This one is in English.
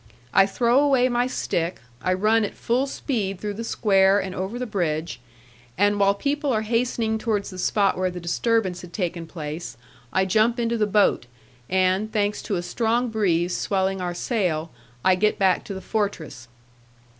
I throw away my stick, I run at full speed through the square and over the bridge, and while people are hastening towards the spot where the disturbance had taken place, I jump into the boat, and, thanks to a strong breeze swelling our sail, I get back to the fortress.